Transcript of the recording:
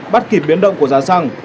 bắt kịp biến động của giá xăng